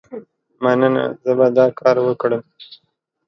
مننه، زه به دا کار وکړم.